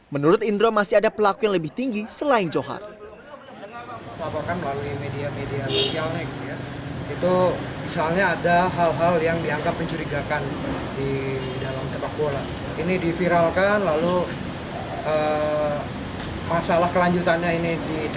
menurut indro masih ada pelaku yang berada di bawah kasus ini